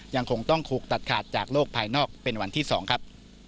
ยังคงต้องถูกตัดขาดจากโลกภายนอกเป็นวันที่๒ครับ